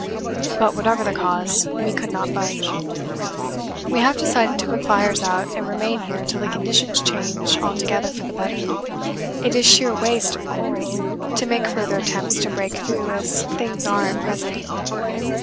But whatever the cause, we could not budge. We have decided to put fires out and remain here till the conditions change altogether for the better. It is sheer waste of coal to make further attempts to break through as things are at present.